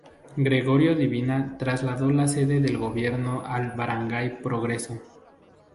Gregorio Divina trasladó la sede del gobierno al barangay Progreso.